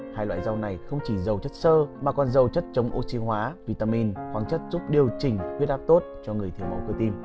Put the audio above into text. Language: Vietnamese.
hai loại rau này không chỉ dầu chất sơ mà còn dầu chất chống oxy hóa vitamin khoáng chất giúp điều chỉnh huyết áp tốt cho người thiếu máu cơ tim